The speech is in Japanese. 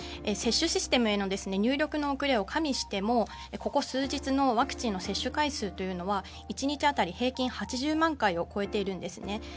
接種システムへの入力の遅れを加味しても、ここ数日のワクチンの接種回数というのは１日当たり平均８０万回を超えているんですね。